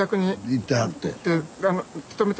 行ってはって。